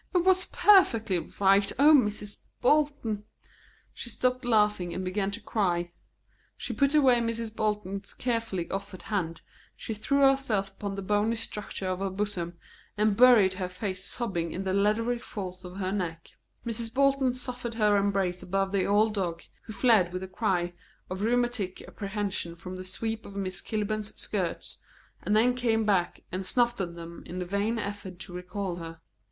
It was perfectly right. O Mrs. Bolton!" She stopped laughing and began to cry; she put away Mrs. Bolton's carefully offered hand, she threw herself upon the bony structure of her bosom, and buried her face sobbing in the leathery folds of her neck. Mrs. Bolton suffered her embrace above the old dog, who fled with a cry of rheumatic apprehension from the sweep of Miss Kilburn's skirts, and then came back and snuffed at them in a vain effort to recall her.